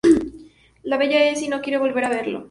La bella Esi no quiere volver a verlo.